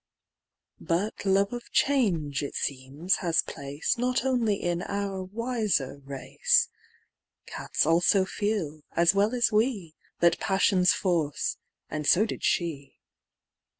But love of change, it seems, has place Not only in our wiser race; Cats also feel, as well as we, That passion's force, and so did she.